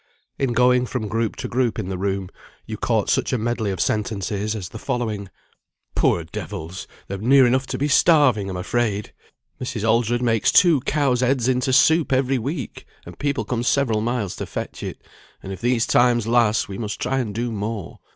In going from group to group in the room, you caught such a medley of sentences as the following: "Poor devils! they're near enough to starving, I'm afraid. Mrs. Aldred makes two cows' heads into soup every week, and people come several miles to fetch it; and if these times last we must try and do more.